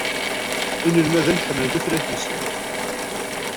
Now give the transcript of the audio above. Inelmaden ḥemmlen tutlayt-nsen.